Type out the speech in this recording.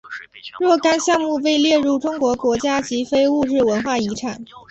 若干项目被列入中国国家级非物质文化遗产。